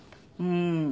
うん。